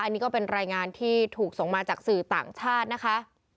อันนี้ก็เป็นรายงานที่ถูกส่งมาจากสื่อต่างชาตินะคะ